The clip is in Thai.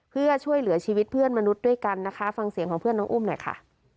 เพื่อช่วยเหลือชีวิตเพื่อนมนุษย์ด้วยกันนะคะฟังเสียงของเพื่อนน้องอุ้มหน่อยค่ะ